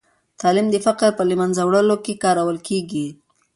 تعلیم د فقر په له منځه وړلو کې کارول کېږي.